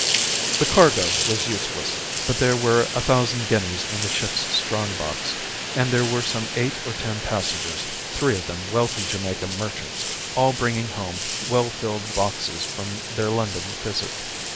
The cargo was useless, but there were a thousand guineas in the ship's strong box, and there were some eight or ten passengers, three of them wealthy Jamaica merchants, all bringing home well filled boxes from their London visit.